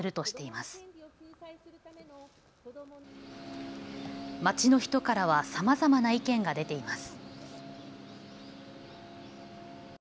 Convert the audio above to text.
まちの人からはさまざまな意見が出ています。